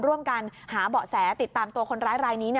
ร่วมกันหาเบาะแสติดตามตัวคนร้ายรายนี้